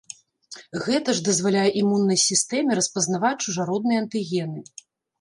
Гэта ж дазваляе імуннай сістэме распазнаваць чужародныя антыгены.